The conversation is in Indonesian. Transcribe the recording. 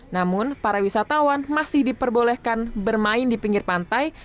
namun para wisatawan masih diperbolehkan bermain di pinggir pantai